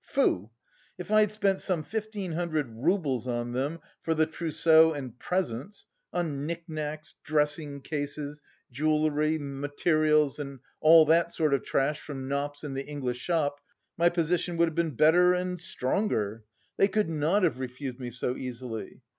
foo! If I'd spent some fifteen hundred roubles on them for the trousseau and presents, on knick knacks, dressing cases, jewellery, materials, and all that sort of trash from Knopp's and the English shop, my position would have been better and... stronger! They could not have refused me so easily!